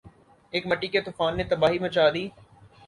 ایک مٹی کے طوفان نے تباہی مچا دی